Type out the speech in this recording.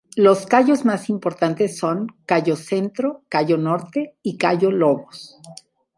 Los cayos más importantes son: Cayo Centro, Cayo Norte y Cayo Lobos.